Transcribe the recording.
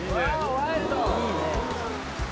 ワイルド！